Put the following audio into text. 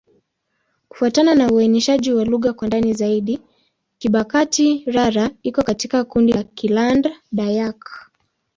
Kufuatana na uainishaji wa lugha kwa ndani zaidi, Kibakati'-Rara iko katika kundi la Kiland-Dayak.